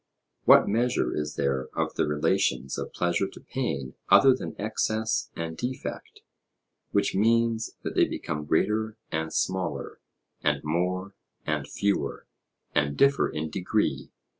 What measure is there of the relations of pleasure to pain other than excess and defect, which means that they become greater and smaller, and more and fewer, and differ in degree?